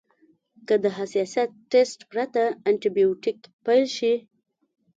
که د حساسیت ټسټ پرته انټي بیوټیک پیل شي.